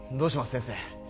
先生